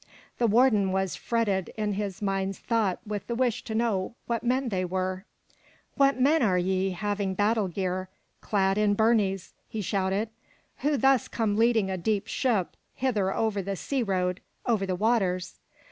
The warden was fretted in his mind's thought with the wish to know what men they were. 41S MY BOOK HOUSE "What men are ye, having battle gear, clad in burnies,*' he shouted, "who thus come leading a deep ship hither over the sea road, over the waters?''